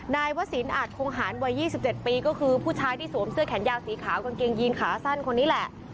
นายวศิลปอาจคงหารวัย๒๗ปีก็คือผู้ชายที่สวมเสื้อแขนยาวสีขาวกางเกงยีนขาสั้นคนนี้แหละ